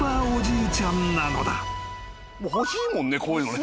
欲しいもんねこういうのね。